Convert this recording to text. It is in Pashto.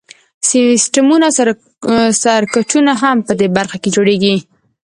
سیسټمونه او سرکټونه هم په دې برخه کې جوړیږي.